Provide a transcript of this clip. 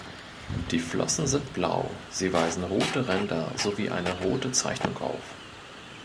Die Flossen sind blau, sie weisen rote Ränder sowie eine rote Zeichnung auf.